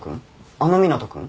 あの湊斗君？